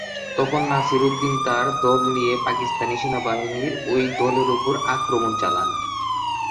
তখন নাসির উদ্দিন তার দল নিয়ে পাকিস্তানি সেনাবাহিনীর ওই দলের ওপর আক্রমণ চালান।